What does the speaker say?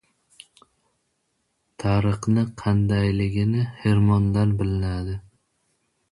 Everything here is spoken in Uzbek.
• Tariqning qandayligi xirmonda bilinadi.